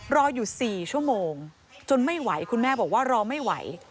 รออยู่๔ชั่วโมงจนไม่ไหวคุณแม่บอกว่ารอไม่ไหว